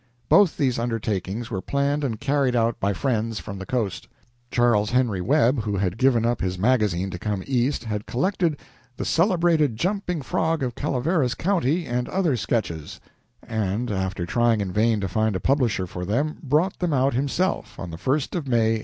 Both these undertakings were planned and carried out by friends from the Coast. Charles Henry Webb, who had given up his magazine to come East, had collected "The Celebrated Jumping Frog of Calaveras County, and Other Sketches," and, after trying in vain to find a publisher for them, brought them out himself, on the 1st of May, 1867.